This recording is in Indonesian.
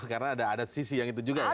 karena ada sisi yang itu juga ya